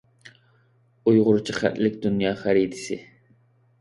ئۇيغۇرچە خەتلىك دۇنيا خەرىتىسى.